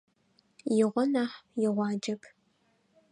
Игъо нахь, игъуаджэп.